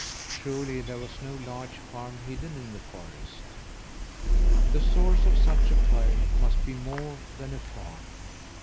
Surely there was no large farm hidden in the forest. The source of such a fire must be more than a farm.